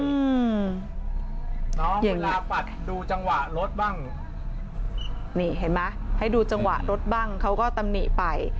อืมน้องเวลาปัดดูจังหวะรถบ้างนี่เห็นไหมให้ดูจังหวะรถบ้างเขาก็ตำหนิไป